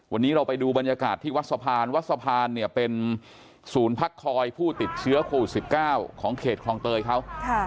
วันนี้เราไปดูบรรยากาศที่วัดสะพานวัดสะพานเนี่ยเป็นศูนย์พักคอยผู้ติดเชื้อโควิด๑๙ของเขตคลองเตยเขา